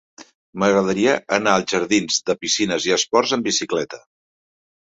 M'agradaria anar als jardins de Piscines i Esports amb bicicleta.